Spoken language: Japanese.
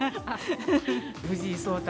藤井聡太